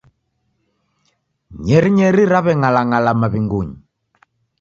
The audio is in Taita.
Nyerinyeri raweng'alang'ala maw'inguny